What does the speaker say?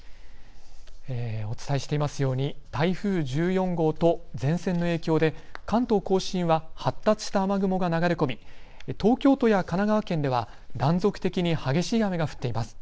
お伝えしていますように台風１４号と前線の影響で関東甲信は発達した雨雲が流れ込み東京都や神奈川県では断続的に激しい雨が降っています。